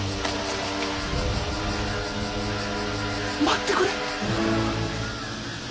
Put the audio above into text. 待ってくれ。